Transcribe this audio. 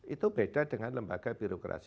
itu beda dengan lembaga birokrasi